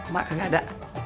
mak gak ada